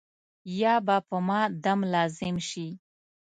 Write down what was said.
یا به په ما دم لازم شي.